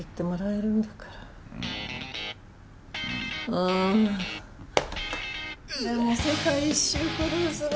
ああでも世界一周クルーズが。